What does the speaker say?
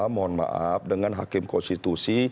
mohon maaf dengan hakim konstitusi